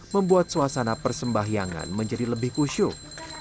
membuat suasana persembahyangan menjadi lebih kusyuk